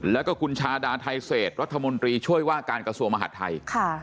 แล้วก็คุณชาดาไทเศษรัฐมนตรีช่วยว่าการกระทรวงมหาดไทย